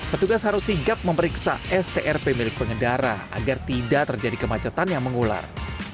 petugas harus sigap memeriksa strp milik pengendara agar tidak terjadi kemacetan yang mengular